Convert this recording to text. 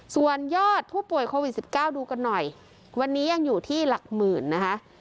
ส่วนยอดผู้ป่วยโควิด๑๙ดูกันหน่อยวันนี้ยังอยู่ที่หลักหมื่นนะคะ